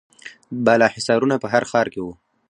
بالاحصارونه په هر ښار کې وو